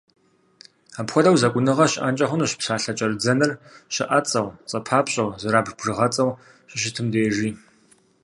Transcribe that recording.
Апхуэдэу зэкӏуныгъэ щыӏэнкӏэ хъунущ псалъэ кӏэрыдзэныр щыӏэцӏэу, цӏэпапщӏэу, зэрабж бжыгъэцӏэу щыщытым дежи.